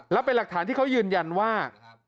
แล้วเป็นหลักฐานที่เขายืนยันว่า